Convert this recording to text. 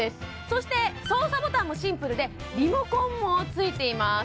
そして操作ボタンもシンプルでも付いています